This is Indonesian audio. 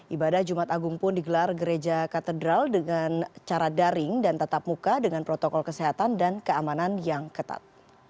ibadah jumat agung pun digelar gereja katedral dengan cara daring dan tatap muka dengan protokol kesehatan dan keamanan yang ketat